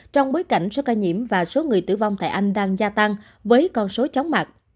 trong bối cảnh số ca nhiễm và số người tử vong tại anh đang gia tăng với con số chóng mặt